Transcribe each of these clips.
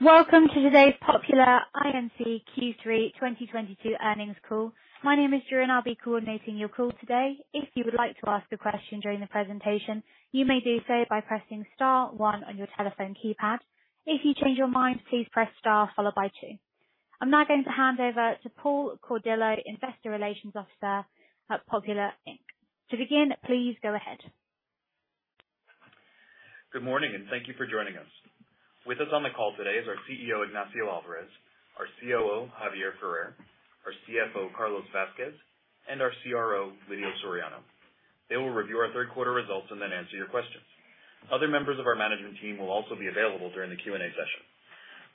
Welcome to today's Popular, Inc. Q3 2022 earnings call. My name is Julian. I'll be coordinating your call today. If you would like to ask a question during the presentation, you may do so by pressing star one on your telephone keypad. If you change your mind, please press star followed by two. I'm now going to hand over to Paul Cardillo, Investor Relations Officer at Popular, Inc. To begin, please go ahead. Good morning, and thank you for joining us. With us on the call today is our CEO, Ignacio Alvarez, our COO, Javier Ferrer, our CFO, Carlos Vazquez, and our CRO, Lidio Soriano. They will review our Q3 results and then answer your questions. Other members of our management team will also be available during the Q&A session.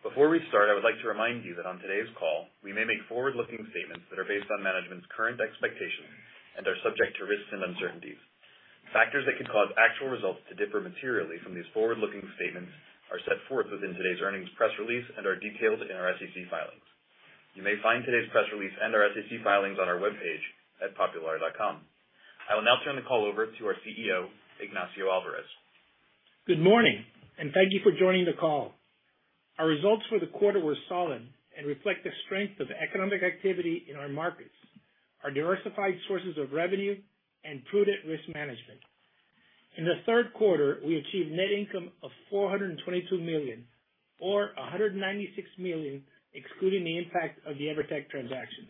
Before we start, I would like to remind you that on today's call, we may make forward-looking statements that are based on management's current expectations and are subject to risks and uncertainties. Factors that could cause actual results to differ materially from these forward-looking statements are set forth within today's earnings press release and are detailed in our SEC filings. You may find today's press release and our SEC filings on our webpage at popular.com. I will now turn the call over to our CEO, Ignacio Alvarez. Good morning and thank you for joining the call. Our results for the quarter were solid and reflect the strength of economic activity in our markets, our diversified sources of revenue, and prudent risk management. In the Q3, we achieved net income of $422 million or $196 million, excluding the impact of the Evertec transactions.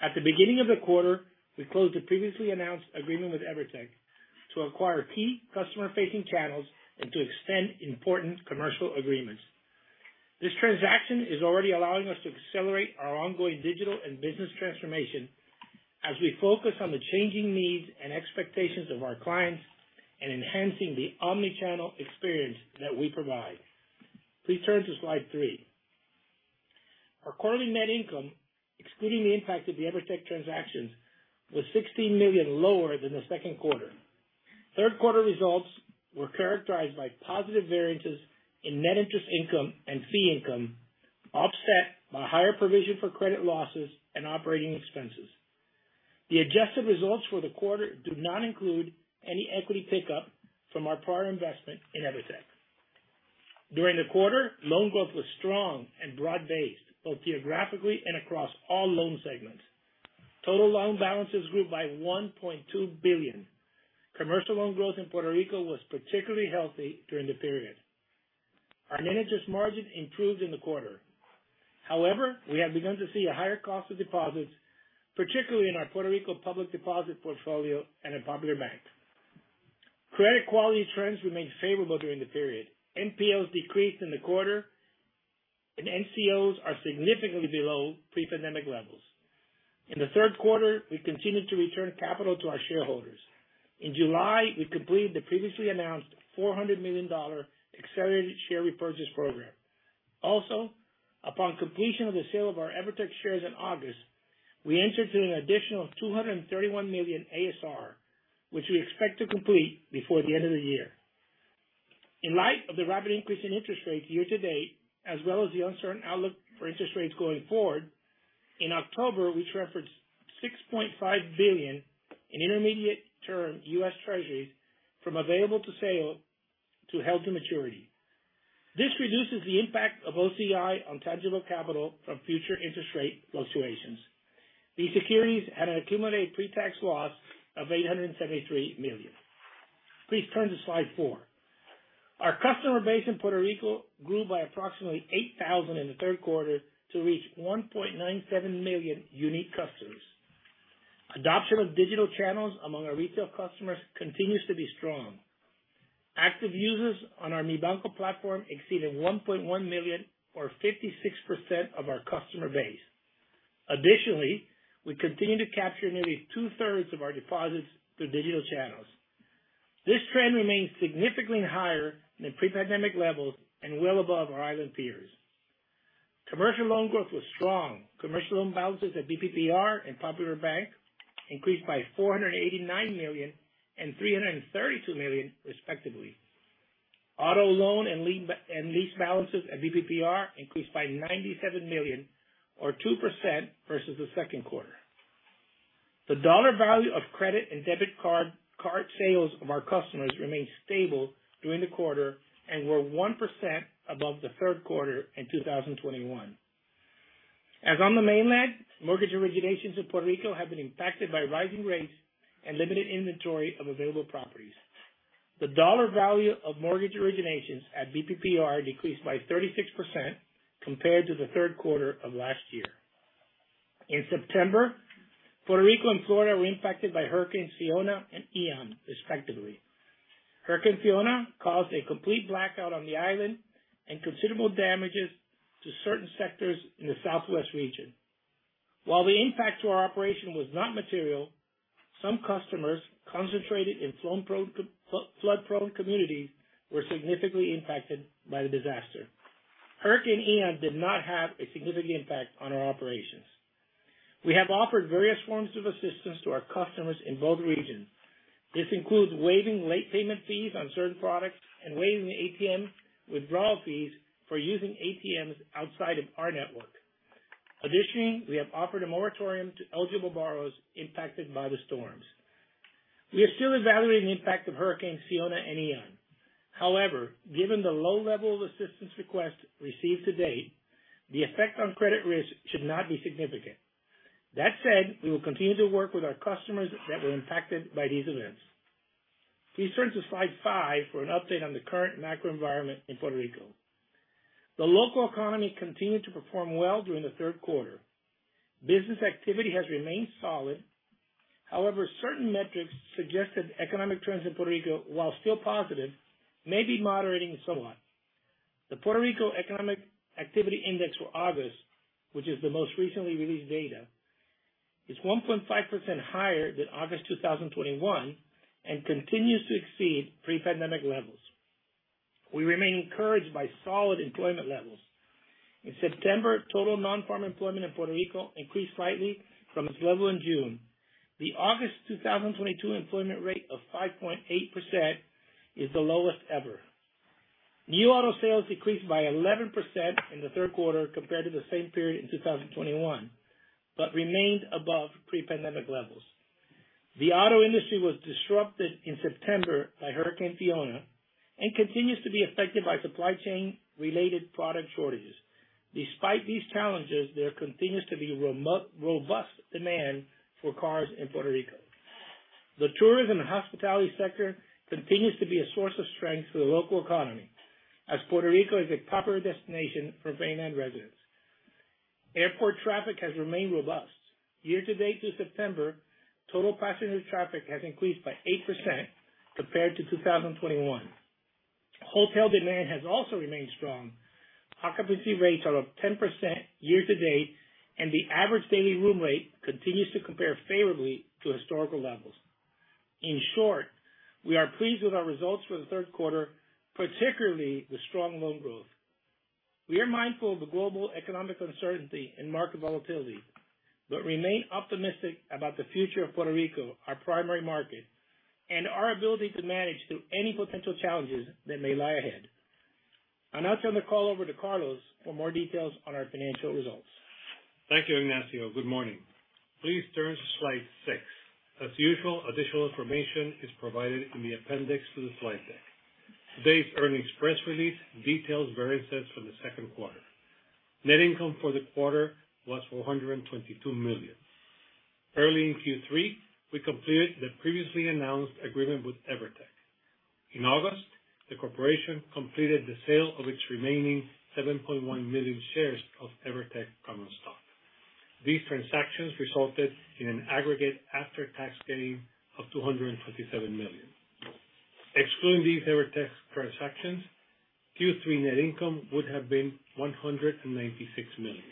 At the beginning of the quarter, we closed a previously announced agreement with Evertec to acquire key customer-facing channels and to extend important commercial agreements. This transaction is already allowing us to accelerate our ongoing digital and business transformation as we focus on the changing needs and expectations of our clients and enhancing the omnichannel experience that we provide. Please turn to slide three. Our quarterly net income, excluding the impact of the Evertec transactions, was $16 million lower than the Q2. Q3 results were characterized by positive variances in net interest income and fee income, offset by higher provision for credit losses and operating expenses. The adjusted results for the quarter do not include any equity pickup from our prior investment in Evertec. During the quarter, loan growth was strong and broad-based, both geographically and across all loan segments. Total loan balances grew by $1.2 billion. Commercial loan growth in Puerto Rico was particularly healthy during the period. Our net interest margin improved in the quarter. However, we have begun to see a higher cost of deposits, particularly in our Puerto Rico public deposit portfolio and in Popular Bank. Credit quality trends remained favorable during the period. NPLs decreased in the quarter and NCLs are significantly below pre-pandemic levels. In the Q3, we continued to return capital to our shareholders. In July, we completed the previously announced $400 million accelerated share repurchase program. Upon completion of the sale of our Evertec shares in August, we entered into an additional $231 million ASR, which we expect to complete before the end of the year. In light of the rapid increase in interest rates year to date, as well as the uncertain outlook for interest rates going forward, in October, we transferred $6.5 billion in intermediate-term U.S. Treasuries from available-for-sale to held-to-maturity. This reduces the impact of OCI on tangible capital from future interest rate fluctuations. These securities had an accumulated pretax loss of $873 million. Please turn to slide four. Our customer base in Puerto Rico grew by approximately 8,000 in the Q3 to reach 1,970,000 unique customers. Adoption of digital channels among our retail customers continues to be strong. Active users on our Mi Banco platform exceeded 1,100,000 or 56% of our customer base. Additionally, we continue to capture nearly two-thirds of our deposits through digital channels. This trend remains significantly higher than pre-pandemic levels and well above our island peers. Commercial loan growth was strong. Commercial loan balances at BBPR and Popular Bank increased by $489 million and $332 million, respectively. Auto loan and lease balances at BBPR increased by $97 million or 2% versus the Q2. The dollar value of credit and debit card sales of our customers remained stable during the quarter and were 1% above the Q3 in 2021. As on the mainland, mortgage originations in Puerto Rico have been impacted by rising rates and limited inventory of available properties. The dollar value of mortgage originations at BBPR decreased by 36% compared to the Q3 of last year. In September, Puerto Rico and Florida were impacted by Hurricane Fiona and Hurricane Ian, respectively. Hurricane Fiona caused a complete blackout on the island and considerable damages to certain sectors in the southwest region. While the impact to our operation was not material, some customers concentrated in flood-prone communities were significantly impacted by the disaster. Hurricane Ian did not have a significant impact on our operations. We have offered various forms of assistance to our customers in both regions. This includes waiving late payment fees on certain products and waiving ATM withdrawal fees for using ATMs outside of our network. Additionally, we have offered a moratorium to eligible borrowers impacted by the storms. We are still evaluating the impact of Hurricane Fiona and Ian. However, given the low level of assistance requests received to date, the effect on credit risk should not be significant. That said, we will continue to work with our customers that were impacted by these events. Please turn to slide five for an update on the current macro environment in Puerto Rico. The local economy continued to perform well during the Q3. Business activity has remained solid. However, certain metrics suggest that economic trends in Puerto Rico, while still positive, may be moderating somewhat. The Puerto Rico Economic Activity Index for August, which is the most recently released data, is 1.5% higher than August 2021 and continues to exceed pre-pandemic levels. We remain encouraged by solid employment levels. In September, total non-farm employment in Puerto Rico increased slightly from its level in June. The August 2022 employment rate of 5.8% is the lowest ever. New auto sales decreased by 11% in the Q3 compared to the same period in 2021, but remained above pre-pandemic levels. The auto industry was disrupted in September by Hurricane Fiona and continues to be affected by supply chain related product shortages. Despite these challenges, there continues to be robust demand for cars in Puerto Rico. The tourism hospitality sector continues to be a source of strength to the local economy, as Puerto Rico is a popular destination for mainland residents. Airport traffic has remained robust. Year-to-date through September, total passenger traffic has increased by 8% compared to 2021. Hotel demand has also remained strong. Occupancy rates are up 10% year-to-date, and the average daily room rate continues to compare favorably to historical levels. In short, we are pleased with our results for the Q3, particularly the strong loan growth. We are mindful of the global economic uncertainty and market volatility, but remain optimistic about the future of Puerto Rico, our primary market, and our ability to manage through any potential challenges that may lie ahead. I'll now turn the call over to Carlos for more details on our financial results. Thank you, Ignacio. Good morning. Please turn to slide six. As usual, additional information is provided in the appendix to the slide deck. Today's earnings press release details variances from the Q2. Net income for the quarter was $422 million. Early in Q3, we completed the previously announced agreement with Evertec. In August, the corporation completed the sale of its remaining 7,100,000 Shares of Evertec common stock. These transactions resulted in an aggregate after-tax gain of $257 million. Excluding these Evertec transactions, Q3 net income would have been $196 million.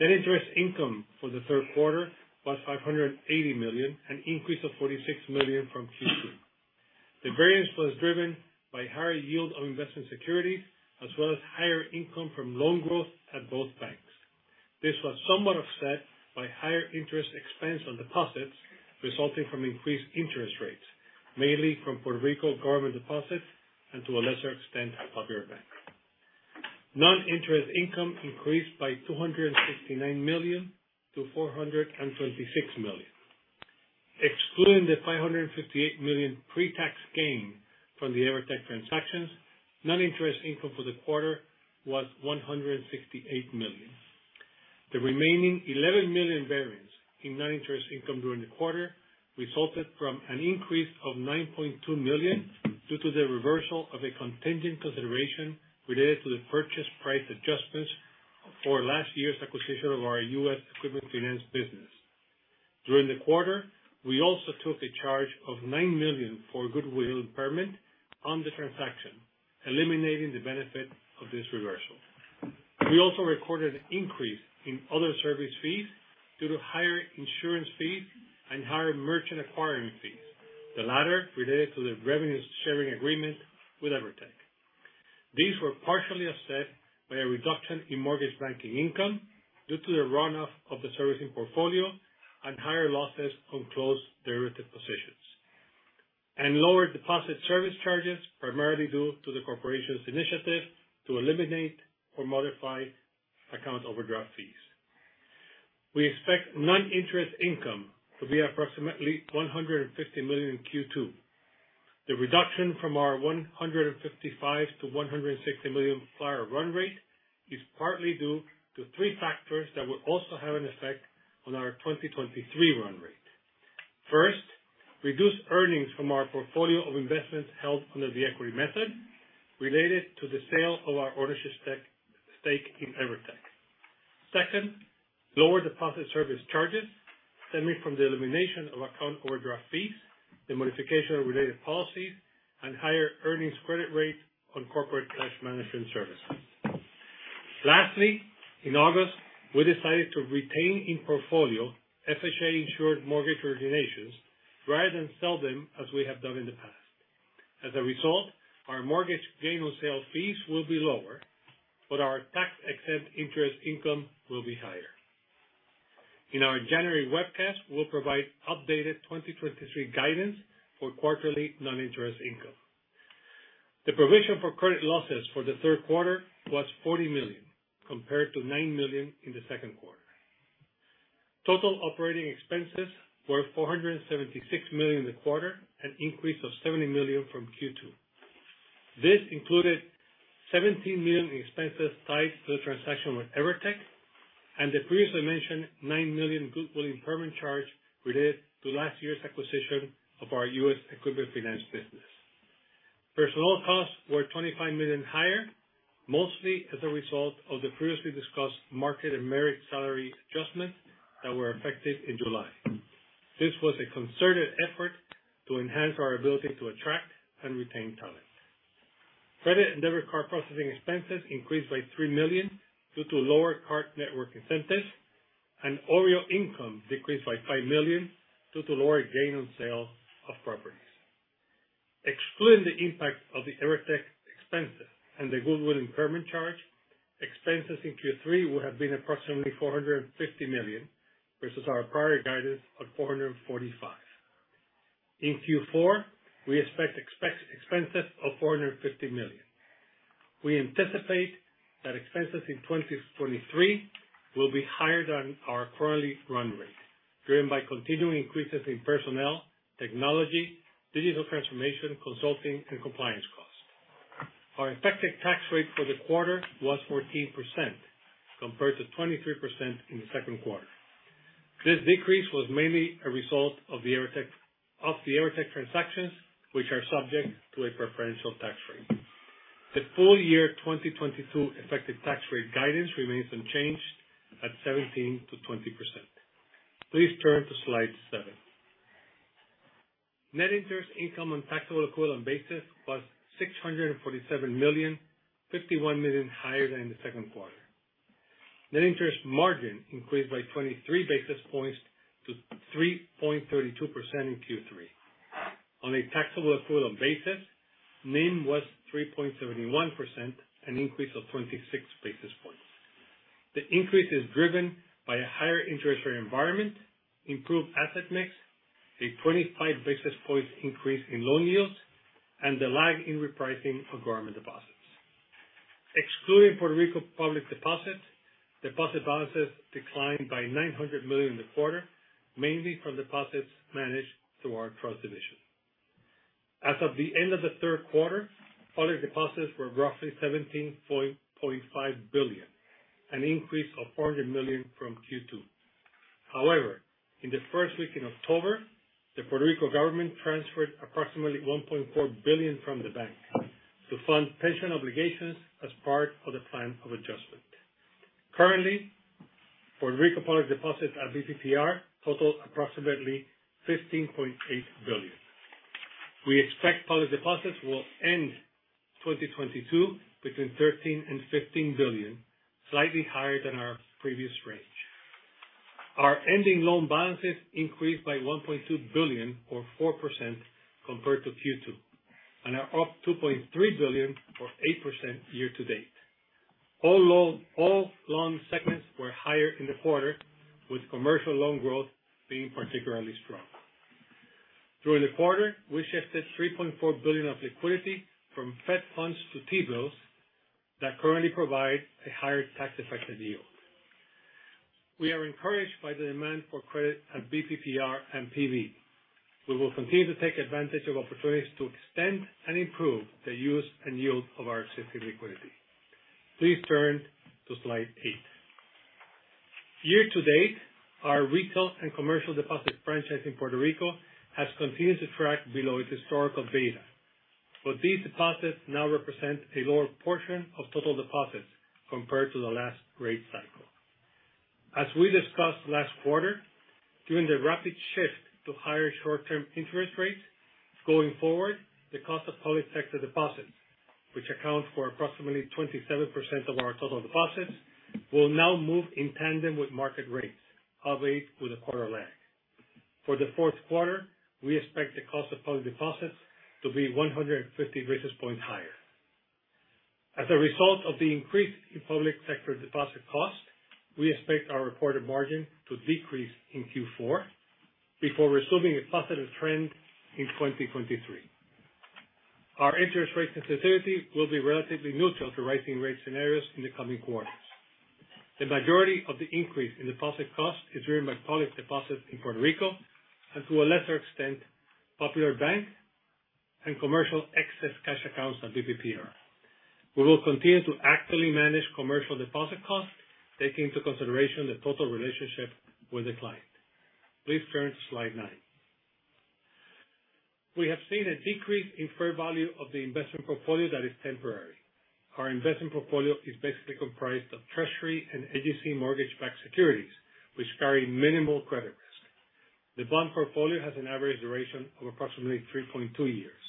Net interest income for the Q3 was $580 million, an increase of $46 million from Q2. The variance was driven by higher yield on investment securities, as well as higher income from loan growth at both banks. This was somewhat offset by higher interest expense on deposits resulting from increased interest rates, mainly from Puerto Rico government deposits and to a lesser extent, Popular Bank. Non-interest income increased by $269 million-$426 million. Excluding the $558 million pre-tax gain from the Evertec transactions, non-interest income for the quarter was $168 million. The remaining $11 million variance in non-interest income during the quarter resulted from an increase of $9.2 million due to the reversal of a contingent consideration related to the purchase price adjustments for last year's acquisition of our U.S. Equipment Finance business. During the quarter, we also took a charge of $9 million for goodwill impairment on the transaction, eliminating the benefit of this reversal. We also recorded an increase in other service fees due to higher insurance fees and higher merchant acquiring fees, the latter related to the revenue-sharing agreement with Evertec. These were partially offset by a reduction in mortgage banking income due to the runoff of the servicing portfolio and higher losses on closed derivative positions, and lower deposit service charges, primarily due to the corporation's initiative to eliminate or modify account overdraft fees. We expect non-interest income to be approximately $150 million in Q2. The reduction from our $155 million-$160 million prior run rate is partly due to three factors that will also have an effect on our 2023 run rate. First, reduced earnings from our portfolio of investments held under the equity method related to the sale of our ownership stake in Evertec. Second, lower deposit service charges stemming from the elimination of account overdraft fees, the modification of related policies and higher earnings credit rates on corporate cash management services. Lastly, in August, we decided to retain in portfolio FHA-insured mortgage originations rather than sell them as we have done in the past. As a result, our mortgage gain on sale fees will be lower, but our tax-exempt interest income will be higher. In our January webcast, we'll provide updated 2023 guidance for quarterly non-interest income. The provision for credit losses for the Q3 was $40 million, compared to $9 million in the Q2. Total operating expenses were $476 million in the quarter, an increase of $70 million from Q2. This included $17 million in expenses tied to the transaction with Evertec, and the previously mentioned $9 million goodwill impairment charge related to last year's acquisition of our U.S. Equipment Finance business. Personnel costs were $25 million higher, mostly as a result of the previously discussed market and merit salary adjustments that were effective in July. This was a concerted effort to enhance our ability to attract and retain talent. Credit and debit card processing expenses increased by $3 million due to lower card network incentives, and OREO income decreased by $5 million due to lower gain on sale of properties. Excluding the impact of the Evertec expenses and the goodwill impairment charge, expenses in Q3 would have been approximately $450 million versus our prior guidance of $445 million. In Q4, we expect expenses of $450 million. We anticipate that expenses in 2023 will be higher than our current run rate, driven by continuing increases in personnel, technology, digital transformation, consulting, and compliance costs. Our effective tax rate for the quarter was 14% compared to 23% in the Q2. This decrease was mainly a result of the Evertec transactions, which are subject to a preferential tax rate. The full year 2022 effective tax rate guidance remains unchanged at 17%-20%. Please turn to slide seven. Net interest income on taxable equivalent basis was $647 million, $51 million higher than the Q2. Net interest margin increased by 23 basis points to 3.32% in Q3. On a taxable equivalent basis, NIM was 3.31%, an increase of 26 basis points. The increase is driven by a higher interest rate environment, improved asset mix, a 25 basis points increase in loan yields, and the lag in repricing of government deposits. Excluding Puerto Rico public deposits, deposit balances declined by $900 million in the quarter, mainly from deposits managed through our trust division. As of the end of the Q3, public deposits were roughly $17.5 billion, an increase of $400 million from Q2. However, in the first week in October, the Puerto Rico government transferred approximately $1.4 billion from the bank to fund pension obligations as part of the plan of adjustment. Currently, Puerto Rico public deposits at BBPR total approximately $15.8 billion. We expect public deposits will end 2022 between $13 billion and $15 billion, slightly higher than our previous range. Our ending loan balances increased by $1.2 billion or 4% compared to Q2, and are up $2.3 billion or 8% year to date. All loan segments were higher in the quarter, with commercial loan growth being particularly strong. During the quarter, we shifted $3.4 billion of liquidity from Fed funds to T-bills that currently provide a higher tax-effective yield. We are encouraged by the demand for credit at BBPR and PV. We will continue to take advantage of opportunities to extend and improve the use and yield of our existing liquidity. Please turn to slide eight. Year to date, our retail and commercial deposits franchise in Puerto Rico has continued to track below its historical beta, but these deposits now represent a lower portion of total deposits compared to the last rate cycle. As we discussed last quarter, during the rapid shift to higher short-term interest rates, going forward, the cost of public sector deposits, which account for approximately 27% of our total deposits, will now move in tandem with market rates, halfway through the quarter lag. For the Q4, we expect the cost of public deposits to be 150 basis points higher. As a result of the increase in public sector deposit costs, we expect our reported margin to decrease in Q4 before resuming a positive trend in 2023. Our interest rate sensitivity will be relatively neutral to rising rate scenarios in the coming quarters. The majority of the increase in deposit costs is driven by public deposits in Puerto Rico and, to a lesser extent, Popular Bank and commercial excess cash accounts at BPPR. We will continue to actively manage commercial deposit costs, taking into consideration the total relationship with the client. Please turn to slide nine. We have seen a decrease in fair value of the investment portfolio that is temporary. Our investment portfolio is basically comprised of Treasury and agency mortgage-backed securities, which carry minimal credit risk. The bond portfolio has an average duration of approximately 3.2 years.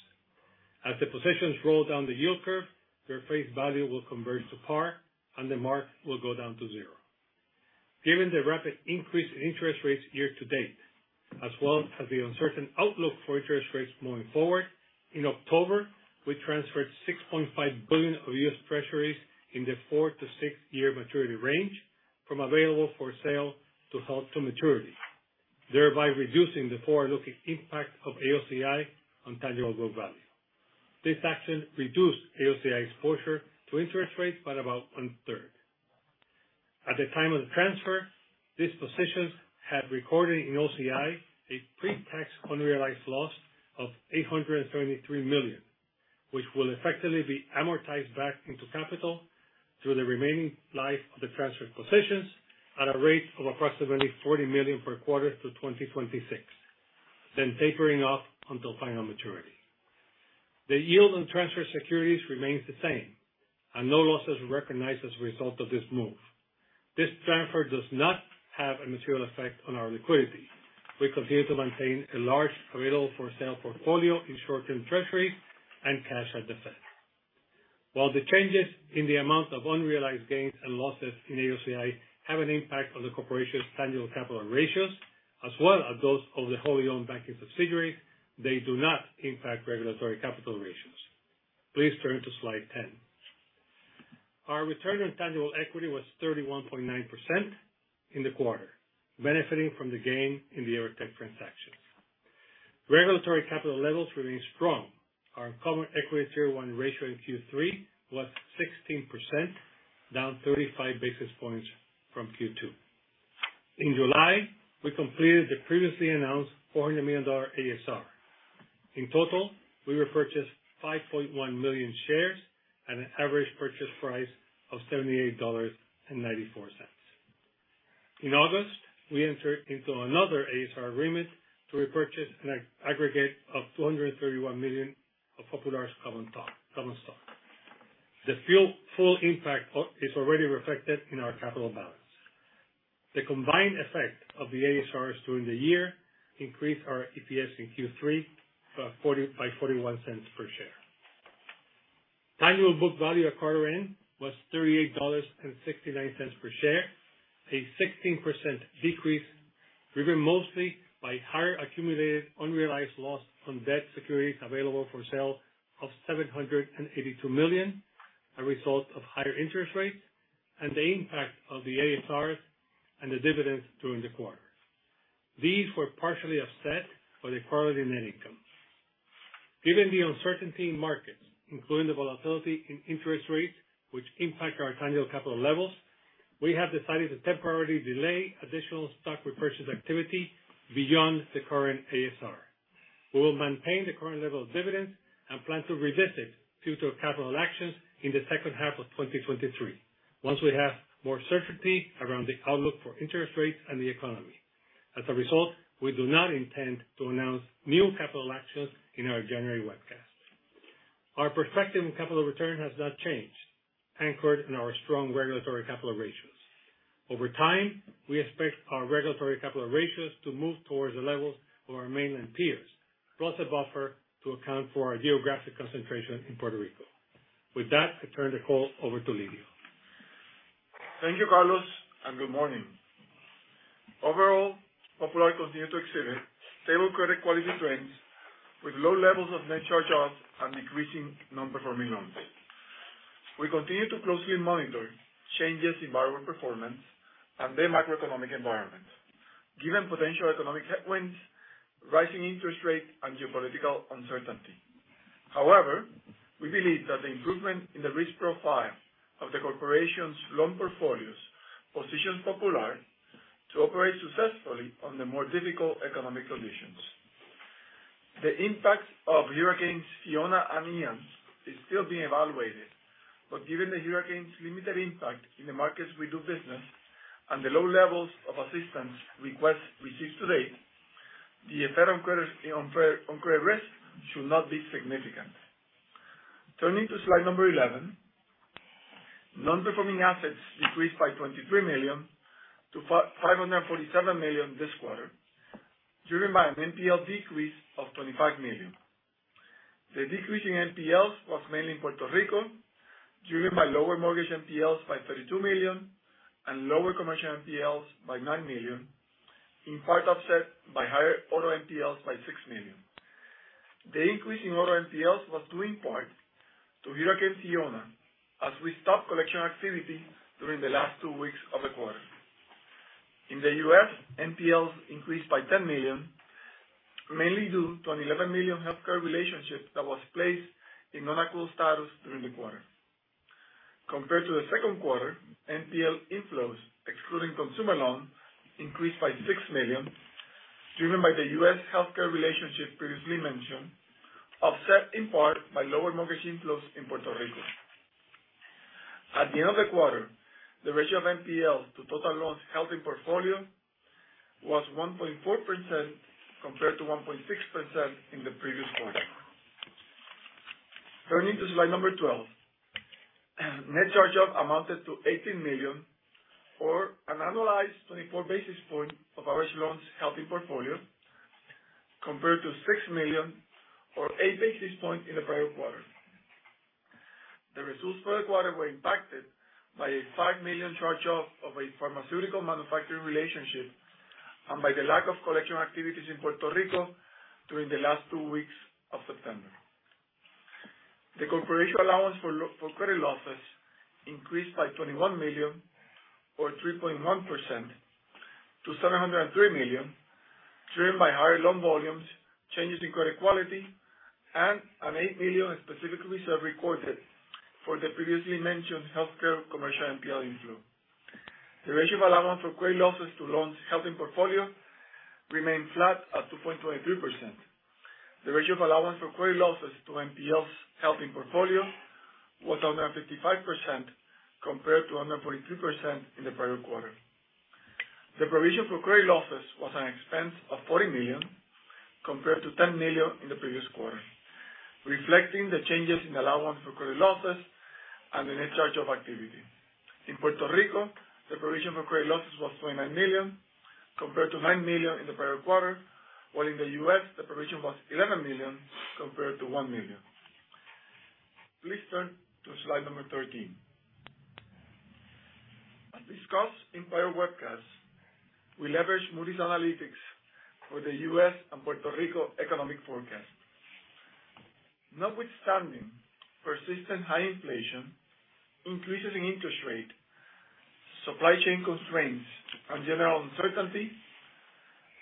As the positions roll down the yield curve, their face value will convert to par, and the mark will go down to zero. Given the rapid increase in interest rates year to date, as well as the uncertain outlook for interest rates moving forward, in October, we transferred $6.5 billion of U.S. Treasuries in the four to six year maturity range from available-for-sale to held-to-maturity, thereby reducing the forward-looking impact of AOCI on tangible book value. This action reduced AOCI exposure to interest rates by about 1/3. At the time of the transfer, these positions had recorded in OCI a pre-tax unrealized loss of $873 million, which will effectively be amortized back into capital through the remaining life of the transferred positions at a rate of approximately $40 million per quarter through 2026, then tapering off until final maturity. The yield on transfer securities remains the same, and no loss is recognized as a result of this move. This transfer does not have a material effect on our liquidity. We continue to maintain a large available-for-sale portfolio in short-term treasuries and cash at the Fed. While the changes in the amount of unrealized gains and losses in AOCI have an impact on the corporation's tangible capital ratios, as well as those of the wholly-owned banking subsidiary, they do not impact regulatory capital ratios. Please turn to slide 10. Our return on tangible equity was 31.9% in the quarter, benefiting from the gain in the Evertec transactions. Regulatory capital levels remain strong. Our common equity tier one ratio in Q3 was 16%, down 35 basis points from Q2. In July, we completed the previously announced $400 million ASR. In total, we repurchased 5,100,000 shares at an average purchase price of $78.94. In August, we entered into another ASR agreement to repurchase an aggregate of $231 million of Popular's common stock. The full impact is already reflected in our capital balance. The combined effect of the ASRs during the year increased our EPS in Q3 by $0.41 per share. Tangible book value at quarter end was $38.69 per share, a 16% decrease, driven mostly by higher accumulated unrealized loss on debt securities available for sale of $782 million, a result of higher interest rates, and the impact of the ASRs and the dividends during the quarter. These were partially offset by the quarterly net income. Given the uncertainty in markets, including the volatility in interest rates which impact our tangible capital levels, we have decided to temporarily delay additional stock repurchase activity beyond the current ASR. We will maintain the current level of dividends and plan to revisit future capital actions in the second half of 2023 once we have more certainty around the outlook for interest rates and the economy. As a result, we do not intend to announce new capital actions in our January webcast. Our perspective on capital return has not changed, anchored in our strong regulatory capital ratios. Over time, we expect our regulatory capital ratios to move towards the levels of our mainland peers, plus a buffer to account for our geographic concentration in Puerto Rico. With that, I turn the call over to Lidio. Thank you, Carlos, and good morning. Overall, Popular continue to exhibit stable credit quality trends with low levels of net charge-offs and decreasing non-performing loans. We continue to closely monitor changes in borrower performance and the macroeconomic environment given potential economic headwinds, rising interest rates, and geopolitical uncertainty. However, we believe that the improvement in the risk profile of the corporation's loan portfolios positions Popular to operate successfully under more difficult economic conditions. The impact of Hurricane Fiona and Ian is still being evaluated. Given the hurricanes' limited impact in the markets we do business and the low levels of assistance requests received to date, the effect on credit, on credit risk should not be significant. Turning to slide 11. Non-performing assets decreased by $23 million-$547 million this quarter, driven by an NPL decrease of $25 million. The decrease in NPLs was mainly in Puerto Rico, driven by lower mortgage NPLs by $32 million and lower commercial NPLs by $9 million, in part offset by higher other NPLs by $6 million. The increase in other NPLs was due in part to Hurricane Fiona, as we stopped collection activity during the last two weeks of the quarter. In the U.S., NPLs increased by $10 million, mainly due to an $11 million healthcare relationship that was placed in non-accrual status during the quarter. Compared to the Q2, NPL inflows, excluding consumer loans, increased by $6 million, driven by the U.S. healthcare relationship previously mentioned, offset in part by lower mortgage inflows in Puerto Rico. At the end of the quarter, the ratio of NPLs to total loans held in portfolio was 1.4%, compared to 1.6% in the previous quarter. Turning to slide number 12. Net charge-offs amounted to $18 million or an annualized 24 basis points of average loans held in portfolio, compared to $6 million or 8 basis points in the prior quarter. The results for the quarter were impacted by a $5 million charge-off of a pharmaceutical manufacturing relationship and by the lack of collection activities in Puerto Rico during the last two weeks of September. The Corporation's allowance for credit losses increased by $21 million or 3.1% to $703 million, driven by higher loan volumes, changes in credit quality, and an $8 million in specific reserve recorded for the previously mentioned healthcare commercial NPL inflow. The ratio of allowance for credit losses to loans held in portfolio remained flat at 2.23%. The ratio of allowance for credit losses to NPLs held in portfolio was 155% compared to 143% in the prior quarter. The provision for credit losses was an expense of $40 million compared to $10 million in the previous quarter, reflecting the changes in the allowance for credit losses and the net charge-off activity. In Puerto Rico, the provision for credit losses was $29 million compared to $9 million in the prior quarter, while in the U.S. the provision was $11 million compared to $1 million. Please turn to slide 13. As discussed in prior webcasts, we leverage Moody's Analytics for the U.S. and Puerto Rico economic forecast. Notwithstanding persistent high inflation, increases in interest rates, supply chain constraints, and general uncertainty,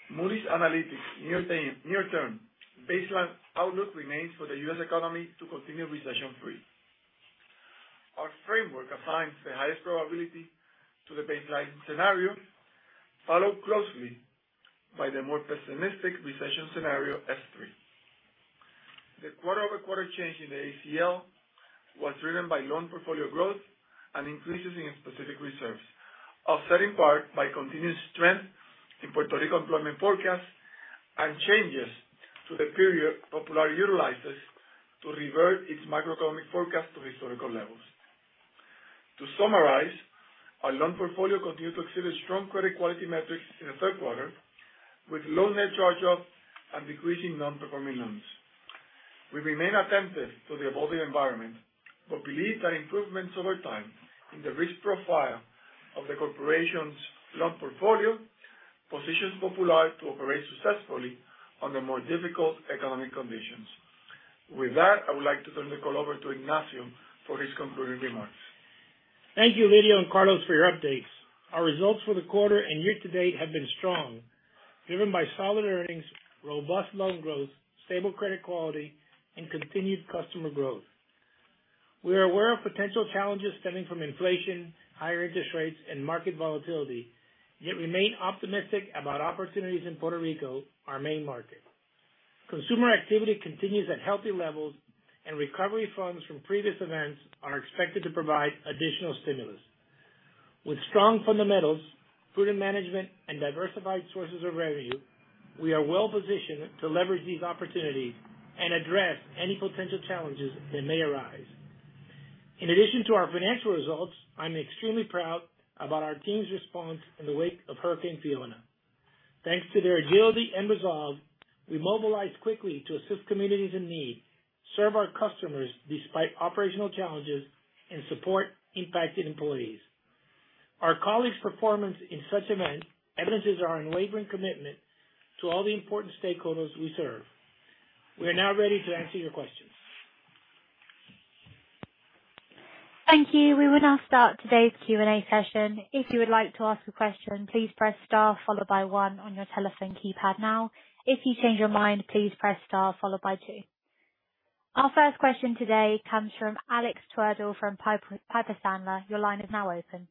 Moody's Analytics near-term baseline outlook remains for the U.S. economy to continue recession-free. Our framework assigns the highest probability to the baseline scenario, followed closely by the more pessimistic recession scenario S3. The quarter-over-quarter change in the ACL was driven by loan portfolio growth and increases in specific reserves, offset in part by continued strength in Puerto Rico employment forecast and changes to the period Popular utilizes to revert its macroeconomic forecast to historical levels. To summarize, our loan portfolio continued to exhibit strong credit quality metrics in the Q3, with low net charge-offs and decreasing non-performing loans. We remain attentive to the evolving environment, but believe that improvements over time in the risk profile of the corporation's loan portfolio positions Popular to operate successfully under more difficult economic conditions. With that, I would like to turn the call over to Ignacio for his concluding remarks. Thank you, Lidio and Carlos, for your updates. Our results for the quarter and year to date have been strong, driven by solid earnings, robust loan growth, stable credit quality, and continued customer growth. We are aware of potential challenges stemming from inflation, higher interest rates, and market volatility, yet remain optimistic about opportunities in Puerto Rico, our main market. Consumer activity continues at healthy levels, and recovery funds from previous events are expected to provide additional stimulus. With strong fundamentals, prudent management, and diversified sources of revenue, we are well-positioned to leverage these opportunities and address any potential challenges that may arise. In addition to our financial results, I'm extremely proud about our team's response in the wake of Hurricane Fiona. Thanks to their agility and resolve, we mobilized quickly to assist communities in need, serve our customers despite operational challenges, and support impacted employees. Our colleagues' performance in such events evidences our unwavering commitment to all the important stakeholders we serve. We are now ready to answer your questions. Thank you. We will now start today's Q&A session. If you would like to ask a question, please press star followed by one on your telephone keypad now. If you change your mind, please press star followed by two. Our first question today comes from Alex Twerdahl from Piper Sandler. Your line is now open.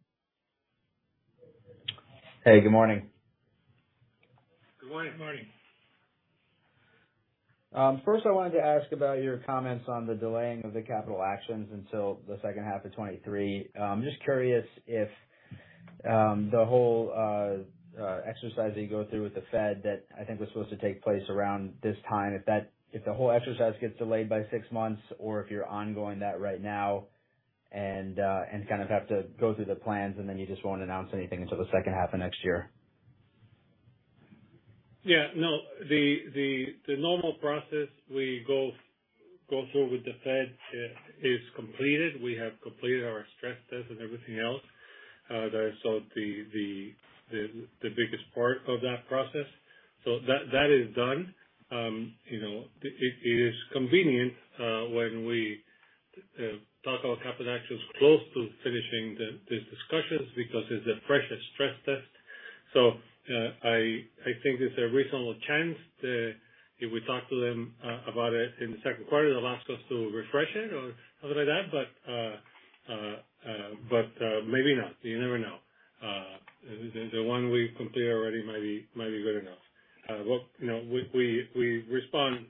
Hey, good morning. Good morning. Good morning. First I wanted to ask about your comments on the delaying of the capital actions until the second half of 2023. Just curious if the whole exercise that you go through with the Fed that I think was supposed to take place around this time, if the whole exercise gets delayed by six months or if you're ongoing that right now and kind of have to go through the plans, and then you just won't announce anything until the second half of next year. Yeah, no. The normal process we go through with the Fed is completed. We have completed our stress test and everything else. That is sort of the biggest part of that process. That is done. You know, it is convenient when we talk about capital actions close to finishing these discussions because it's a fresh stress test. I think there's a reasonable chance if we talk to them about it in the Q2, they'll ask us to refresh it or something like that, but maybe not. You never know. The one we've completed already might be good enough. Look, you know, we respond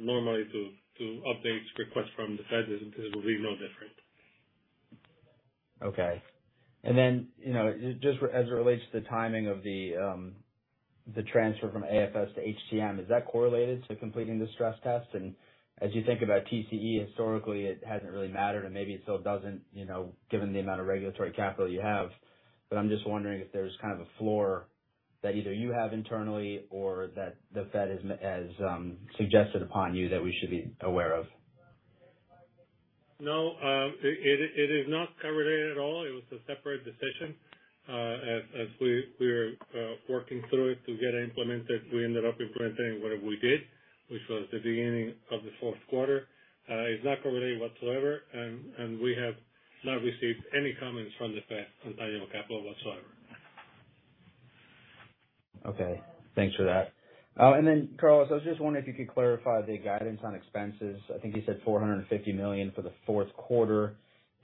normally to update requests from the Fed. This will be no different. Okay. You know, just as it relates to the timing of the transfer from AFS to HTM, is that correlated to completing the stress test? As you think about TCE, historically it hasn't really mattered, and maybe it still doesn't, you know, given the amount of regulatory capital you have. I'm just wondering if there's kind of a floor that either you have internally or that the Fed has suggested upon you that we should be aware of. No, it is not correlated at all. It was a separate decision. As we're working through it to get it implemented, we ended up implementing what we did, which was the beginning of the fourth quarter. It's not correlated whatsoever, and we have not received any comments from the Fed on capital whatsoever. Okay. Thanks for that. Carlos, I was just wondering if you could clarify the guidance on expenses. I think you said $450 million for the Q4,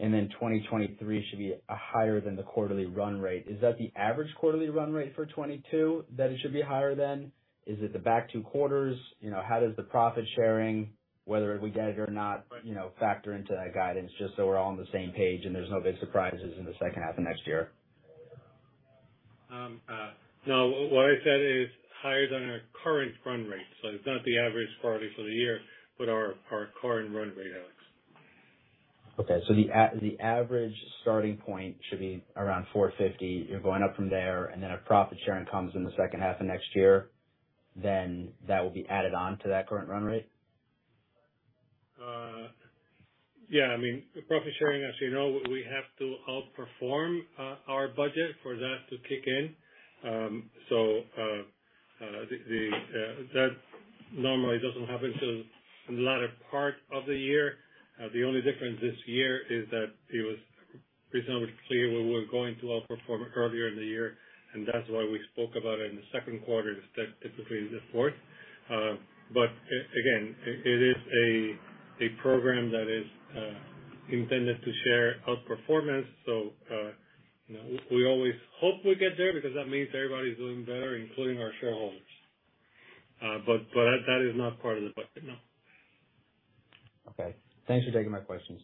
and then 2023 should be higher than the quarterly run rate. Is that the average quarterly run rate for 2022 that it should be higher than? Is it the back two quarters? You know, how does the profit sharing, whether we get it or not, you know, factor into that guidance, just so we're all on the same page and there's no big surprises in the second half of next year. No. What I said is higher than our current run rate, so it's not the average quarterly for the year, but our current run rate, Alex. The average starting point should be around $450. You're going up from there, and then if profit sharing comes in the second half of next year, then that will be added on to that current run rate? Yeah. I mean, profit sharing, as you know, we have to outperform our budget for that to kick in. That normally doesn't happen till the latter part of the year. The only difference this year is that it was reasonably clear we were going to outperform earlier in the year, and that's why we spoke about it in the Q2 instead, typically, the fourth. Again, it is a program that is intended to share outperformance. You know, we always hope we get there because that means everybody's doing better, including our shareholders. That is not part of the budget, no. Okay. Thanks for taking my questions.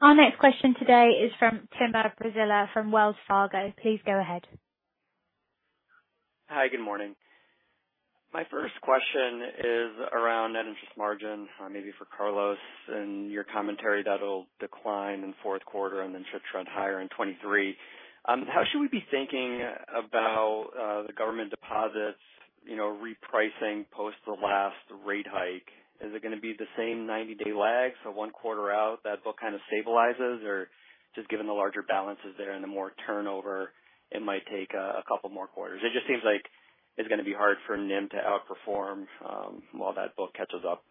Our next question today is from Timur Braziler from Wells Fargo. Please go ahead. Hi. Good morning. My first question is around net interest margin, maybe for Carlos and your commentary that'll decline in Q4 and then should trend higher in 2023. How should we be thinking about, the government deposits, you know, repricing post the last rate hike? Is it gonna be the same 90-day lag, so one quarter out that book kind of stabilizes? Or just given the larger balances there and the more turnover, it might take, a couple more quarters? It just seems like it's gonna be hard for NIM to outperform, while that book catches up.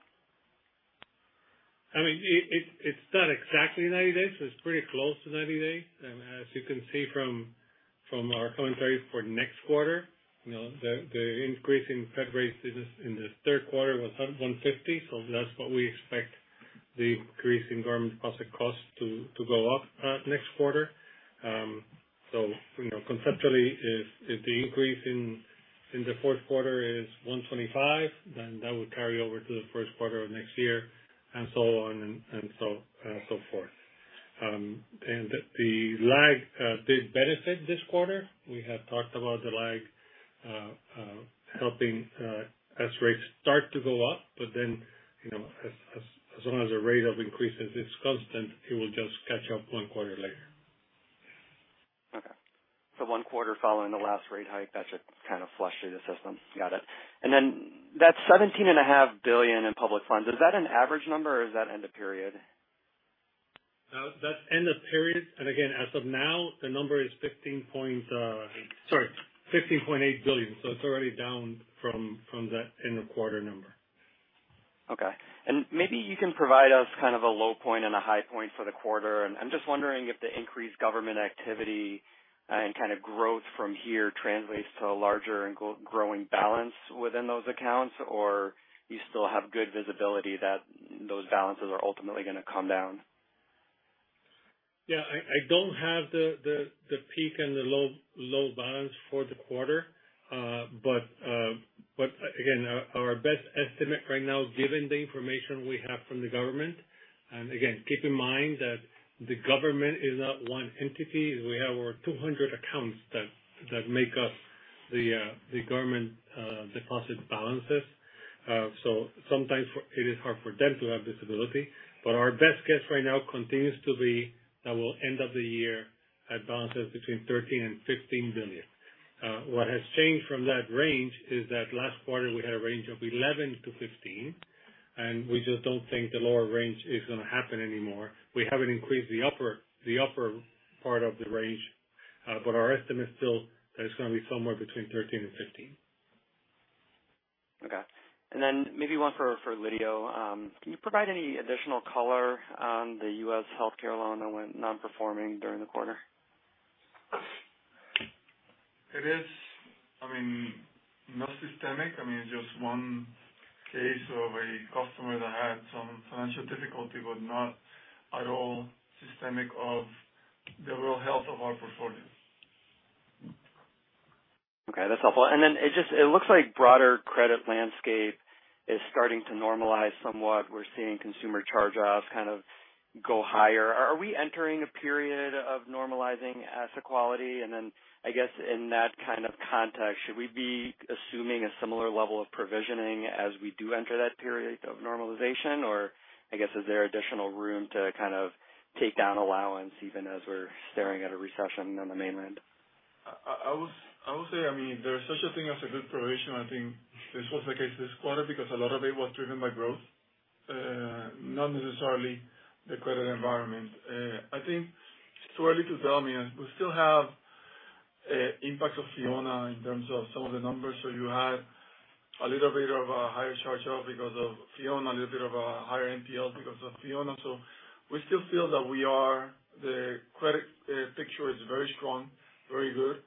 I mean, it's not exactly 90 days. It's pretty close to 90 days. As you can see from our commentary for next quarter, you know, the increase in Fed rates in the Q3 was 150, so that's what we expect the increase in government deposit costs to go up next quarter. You know, conceptually if the increase in the Q4 is 125, then that would carry over to the first quarter of next year and so on and so forth. The lag did benefit this quarter. We have talked about the lag helping as rates start to go up. You know, as long as the rate of increases is constant, it will just catch up one quarter later. Okay, one quarter following the last rate hike, that should kind of flush through the system. Got it. Then that $17.5 billion in public funds, is that an average number or is that end of period? That's end of period. Again, as of now, the number is $15.8 billion, so it's already down from that end of quarter number. Okay. Maybe you can provide us kind of a low point and a high point for the quarter. I'm just wondering if the increased government activity and kind of growth from here translates to a larger and growing balance within those accounts, or you still have good visibility that those balances are ultimately gonna come down. Yeah. I don't have the peak and the low balance for the quarter. Again, our best estimate right now, given the information we have from the government, and again, keep in mind that the government is not one entity. We have over 200 accounts that make up the government deposit balances. Sometimes it is hard for them to have visibility. Our best guess right now continues to be that we'll end of the year have balances between $13 billion and $15 billion. What has changed from that range is that last quarter we had a range of $11 billion-$15 billion, and we just don't think the lower range is gonna happen anymore. We haven't increased the upper part of the range, but our estimate is still that it's gonna be somewhere between 13 and 15. Okay. Maybe one for Lidio. Can you provide any additional color on the U.S. healthcare loan that went non-performing during the quarter? It is, I mean, not systemic. I mean, just one case of a customer that had some financial difficulty, but not at all systemic of the real health of our portfolio. Okay, that's helpful. Then it just looks like broader credit landscape is starting to normalize somewhat. We're seeing consumer charge-offs kind of go higher. Are we entering a period of normalizing asset quality? Then I guess in that kind of context, should we be assuming a similar level of provisioning as we do enter that period of normalization? I guess, is there additional room to kind of take down allowance even as we're staring at a recession on the mainland? I would say, I mean, there's such a thing as a good provision. I think this was the case this quarter because a lot of it was driven by growth, not necessarily the credit environment. I think it's too early to tell. I mean, we still have impacts of Fiona in terms of some of the numbers. You had a little bit of a higher charge-off because of Fiona, a little bit of a higher NPL because of Fiona. We still feel that the credit picture is very strong, very good,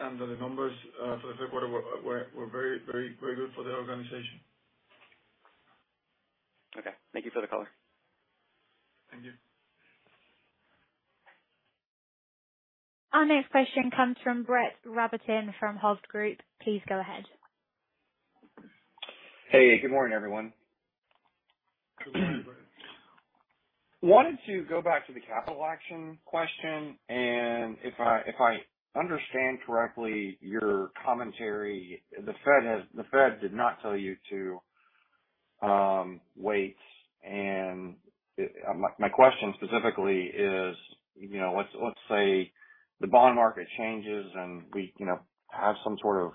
and the numbers for the Q3 were very good for the organization. Okay. Thank you for the color. Thank you. Our next question comes from Brett Rabatin from Hovde Group. Please go ahead. Hey, good morning, everyone. Good morning, Brett. Wanted to go back to the capital action question, and if I understand correctly, your commentary, the Fed did not tell you to wait. My question specifically is, you know, let's say the bond market changes and we, you know, have some sort